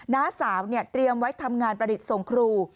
น้าสาวเตรียมไว้ทำงานประดิษฐ์ส่งครู